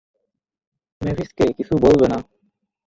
মেভিসকে কিছু বলবে না।